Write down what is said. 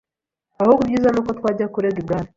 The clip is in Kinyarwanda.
Ahubwo ibyiza ni uko twajya kurega ibwami.”